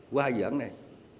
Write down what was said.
qua dự án này